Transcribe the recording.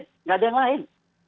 tidak ada yang lain